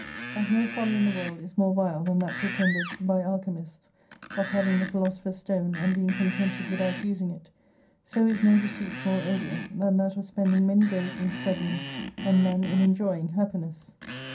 As no folly in the world is more vile than that pretended by alchemists, of having the Philosopher's Stone and being contented without using it : so is no deceit more odious, than that of spending many days in studying, and none in enjoying, happiness.